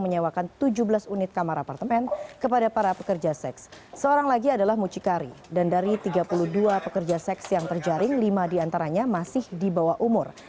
yang terjaring lima di antaranya masih di bawah umur